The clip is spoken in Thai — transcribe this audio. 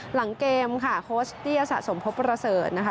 หลังเกมค่ะโค้ชเตี้ยสะสมพบประเสริฐนะคะ